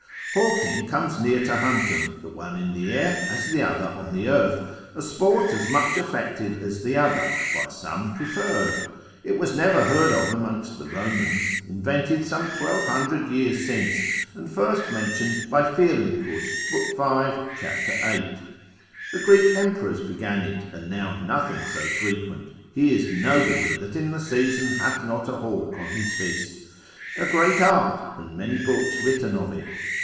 Hawking comes near to hunting, the one in the air, as the other on the earth, a sport as much affected as the other, by some preferred. It was never heard of amongst the Romans, invented some twelve hundred years since, and first mentioned by Firmicus, lib. 5. cap. 8. The Greek emperors began it, and now nothing so frequent: he is nobody that in the season hath not a hawk on his fist. A great art, and many books written of it.